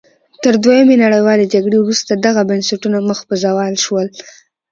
تر دویمې نړیوالې جګړې وروسته دغه بنسټونه مخ په زوال شول.